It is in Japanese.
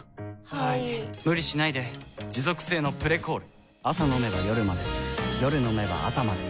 はい・・・無理しないで持続性の「プレコール」朝飲めば夜まで夜飲めば朝まで